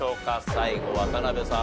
最後渡辺さん